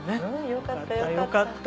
よかったよかった。